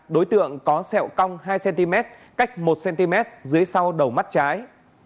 đối tượng có sẹo cong hai cm cách một cm dưới sau đầu mắt trái